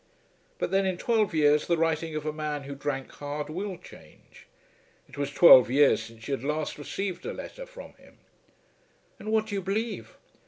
But then in twelve years the writing of a man who drank hard will change. It was twelve years since she had last received a letter from him. "And what do you believe?"